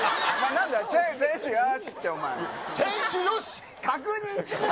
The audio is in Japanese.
よしって、お前。